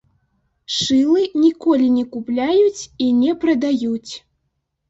Шылы ніколі не купляюць і не прадаюць.